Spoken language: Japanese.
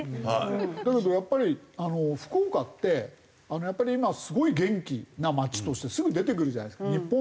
だけどやっぱり福岡って今すごい元気な街としてすぐ出てくるじゃないですか日本でいってもね。